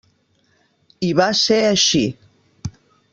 I va ser així.